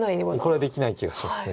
これはできない気がします。